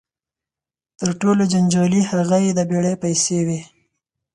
تر ټولو جنجالي هغه یې د بېړۍ پیسې وې.